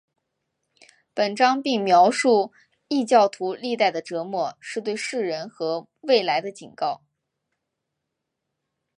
本章并描述异教徒历代的折磨是对世人和未来的警告。